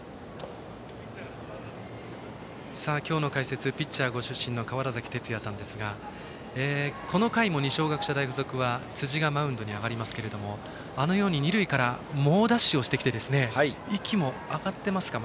今日の解説、ピッチャーご出身の川原崎哲也さんですがこの回も二松学舎大付属は辻がマウンドに上がりますがあのように、二塁から猛ダッシュをしてきて息も上がっていますか。